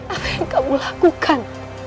apa yang kamu lakukan